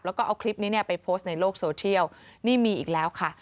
แล้วก็เอาคลิปนี้เนี่ยไปโพสต์ในโลกโซเทียลนี่มีอีกแล้วค่ะ